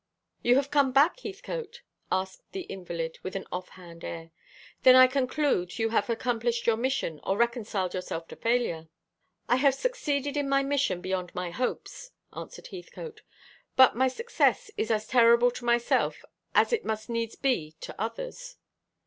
"You have come back, Heathcote?" asked the invalid, with an off hand air. "Then I conclude you have accomplished your mission, or reconciled yourself to failure." "I have succeeded in my mission beyond my hopes," answered Heathcote. "But my success is as terrible to myself as it must needs be to others."